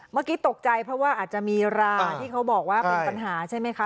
เมื่อกี้ตกใจเพราะว่าอาจจะมีราที่เขาบอกว่าเป็นปัญหาใช่ไหมคะ